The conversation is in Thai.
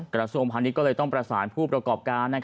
กรสมภัณฑ์นี้ก็เลยต้องประสานผู้ประกอบการ